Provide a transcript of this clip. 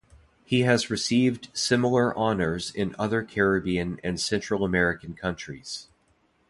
He has received similar honours in other Caribbean and Central American countries.